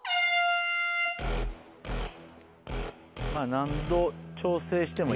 何度調整してもいい。